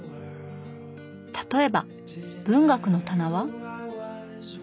例えば文学の棚は。